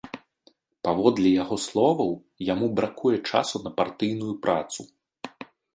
Паводле яго словаў, яму бракуе часу на партыйную працу.